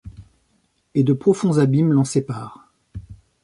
et de profonds abîmes l’en séparent.